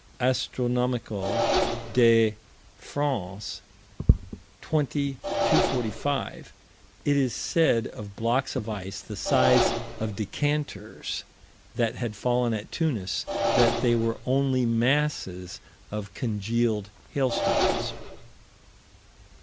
Astro. de France_, 20 245, it is said of blocks of ice the size of decanters that had fallen at Tunis that they were only masses of congealed hailstones.